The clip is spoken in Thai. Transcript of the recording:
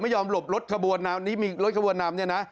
ไม่ยอมหลบรถขบวนนำนี้มีรถขบวนนำเนี่ยนะ